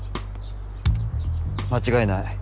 間違いない。